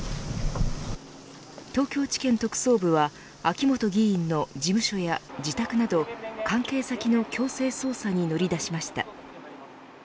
東京地検特捜部は秋本議員の事務所や自宅など関係先の強制捜査に乗り出しました。